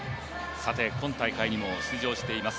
今大会にも出場しています